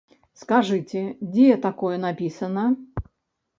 Скажыце, дзе такое напісана?